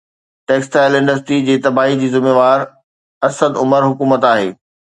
textile industry جي تباهي جي ذميوار اسد عمر حڪومت آهي